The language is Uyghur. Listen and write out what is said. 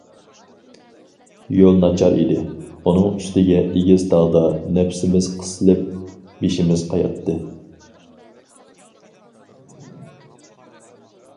يول ناچار ئىدى، ئۇنىڭ ئۈستىگە ئېگىز تاغدا نەپىسىمىز قىسىلىپ بېشىمىز قاياتتى.